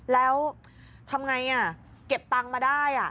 แล้วทำไงเก็บตังค์มาได้